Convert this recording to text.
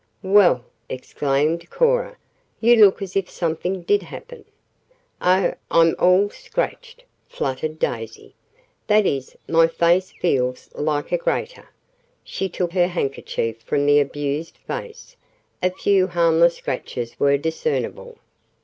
"Well!" exclaimed Cora. "You look as if something did happen." "Oh, I'm all scratched," fluttered Daisy. "That is, my face feels like a grater." She took her handkerchief from the abused face. A few harmless scratches were discernible.